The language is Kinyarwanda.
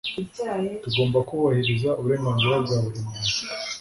Tugomba kubahiriza uburenganzira bwa buri muntu.